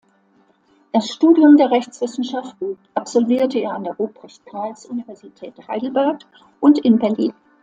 Das Studium der Rechtswissenschaften absolvierte er an der Ruprecht-Karls-Universität Heidelberg und in Berlin.